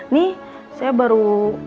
nih saya baru